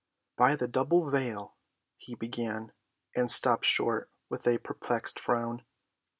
"By the double veil—" he began, and stopped short with a perplexed frown.